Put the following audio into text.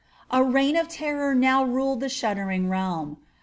A reign of terror now ruled the shuddering realm.